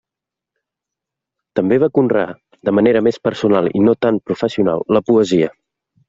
També va conrear, de manera més personal i no tant professional, la poesia.